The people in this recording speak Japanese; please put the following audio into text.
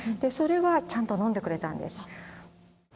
それはちゃんと飲んでくれたんです。